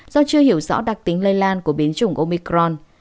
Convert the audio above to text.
do chưa hiểu rõ đặc tính lây lan của biến chủng omicron